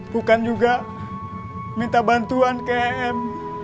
bukan juga minta bantuan ke m